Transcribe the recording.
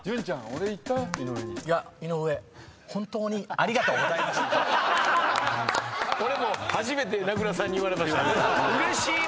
俺も初めて名倉さんに言われました。